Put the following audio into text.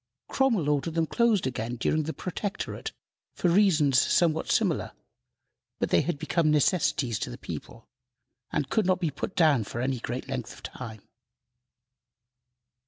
Cromwell ordered them closed again during the Protectorate for reasons somewhat similar; but they had become necessities to the people, and could not be put down for any great length of time.